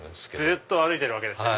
ずっと歩いてるわけですね。